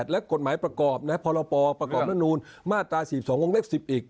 และกฎหมายประกอบพรปประกอบรัฐนูลมาตรา๔๒วงเล็บ๑๐อีก